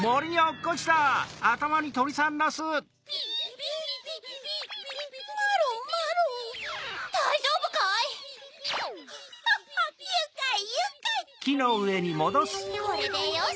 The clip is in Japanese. これでよし。